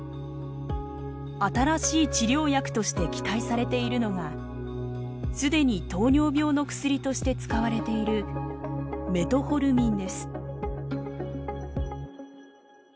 新しい治療薬として期待されているのがすでに糖尿病の薬として使われているメトホルミンです。